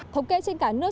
thống kê trên cả nước